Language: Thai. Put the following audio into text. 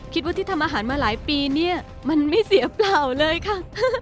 ที่ทำอาหารมาหลายปีเนี่ยมันไม่เสียเปล่าเลยค่ะ